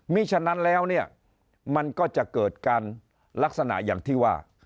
มีฉะนั้นแล้วเนี่ยมันก็จะเกิดการลักษณะอย่างที่ว่า